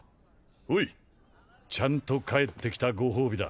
ほいちゃんと帰ってきたご褒美だ